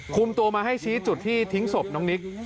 คุมตัวมาให้ชี้จุดที่ทิ้งศพน้องนิก